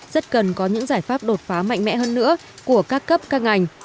rất cần có những giải pháp đột phá mạnh mẽ hơn nữa của các cấp các ngành